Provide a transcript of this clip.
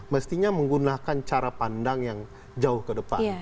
mestinya menggunakan cara pandang yang jauh ke depan